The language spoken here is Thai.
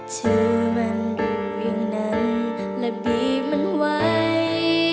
เธอมันดูอย่างนั้นและบีบมันไหว